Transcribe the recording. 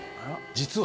実は。